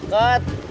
makan yang banyak